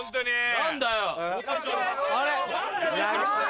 何だよ。